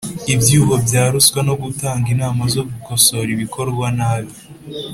ibyuho bya ruswa, no gutanga inama zo gukosora ibikorwa nabi;